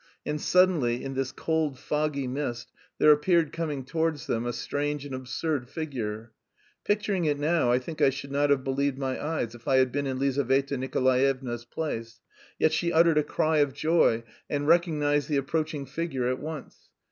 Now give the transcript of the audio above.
And suddenly in this cold foggy mist there appeared coming towards them a strange and absurd figure. Picturing it now I think I should not have believed my eyes if I had been in Lizaveta Nikolaevna's place, yet she uttered a cry of joy, and recognised the approaching figure at once.